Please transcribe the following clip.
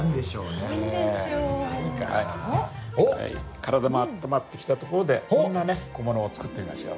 体もあったまってきたところでこんな小物を作ってみましょう。